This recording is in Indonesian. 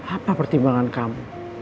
apa pertimbangan kamu